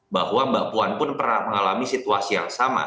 bahwa mbak puan pun pernah mengalami situasi yang sama